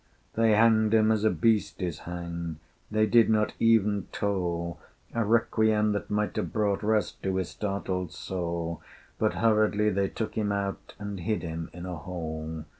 They hanged him as a beast is hanged: They did not even toll A requiem that might have brought Rest to his startled soul, But hurriedly they took him out, And hid him in a hole.